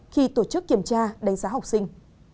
khi tổ chức kiểm tra đánh giá học sinh